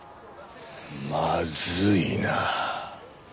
まずいな。